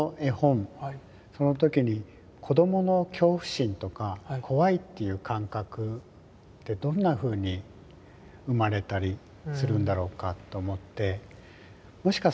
その時に子供の恐怖心とか怖いっていう感覚ってどんなふうに生まれたりするんだろうかと思って。